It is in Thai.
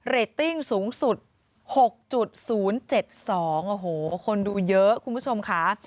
ตติ้งสูงสุด๖๐๗๒โอ้โหคนดูเยอะคุณผู้ชมค่ะ